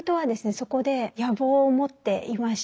そこで野望を持っていました。